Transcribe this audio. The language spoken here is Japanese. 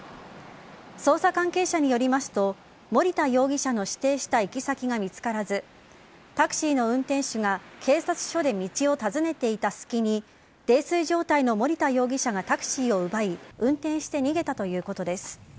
捜査関係者によりますと守田容疑者の指定した行き先が見つからずタクシーの運転手が警察署で道を尋ねていた隙に泥酔状態の守田容疑者がタクシーを奪い運転して逃げたということです。